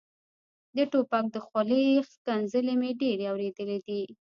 د ټوپک د خولې ښکنځلې مې ډېرې اورېدلې دي.